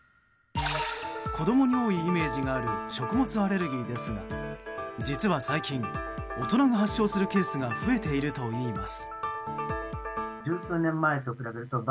子供に多いイメージがある食物アレルギーですが実は最近、大人が発症するケースが増えているといいます。